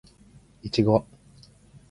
いちご